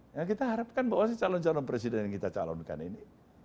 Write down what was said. yang kita harapkan bahwa calon calon presiden yang kita calonkan ini